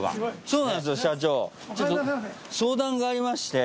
そうなんすよ社長相談がありまして。